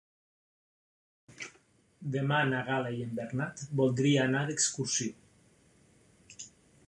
Demà na Gal·la i en Bernat voldria anar d'excursió.